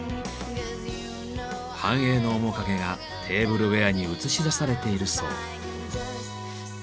繁栄の面影がテーブルウエアに映し出されているそう。